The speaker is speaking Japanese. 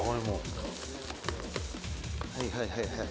「はいはいはいはい。